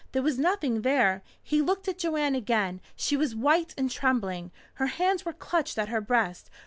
There was nothing there. He looked at Joanne again. She was white and trembling. Her hands were clutched at her breast.